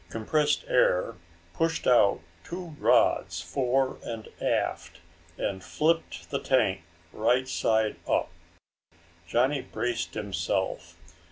Compressed air pushed out two rods fore and aft and flipped the tank right side up. Johnny braced himself.